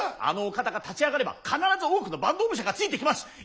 あのお方が立ち上がれば必ず多くの坂東武者がついてきます。